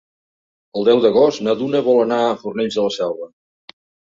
El deu d'agost na Duna vol anar a Fornells de la Selva.